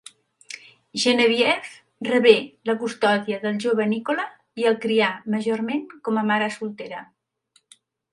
Genevieve rebé la custòdia del jove Nikola i el crià majorment com a mare soltera.